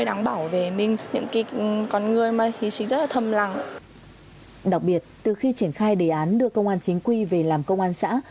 đặc biệt từ khi triển khai đề án đưa công an chính quy về làm công an xã